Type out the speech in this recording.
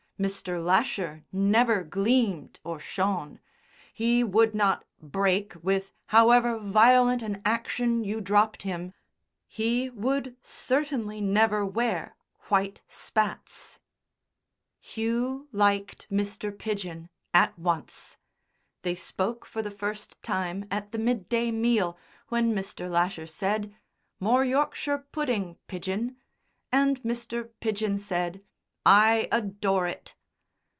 Mr. Lasher never gleamed or shone, he would not break with however violent an action you dropped him, he would certainly never wear white spats. Hugh liked Mr. Pidgen at once. They spoke for the first time at the mid day meal, when Mr. Lasher said, "More Yorkshire pudding, Pidgen?" and Mr. Pidgen said, "I adore it."